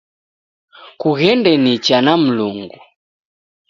Kughende nicha na Mlungu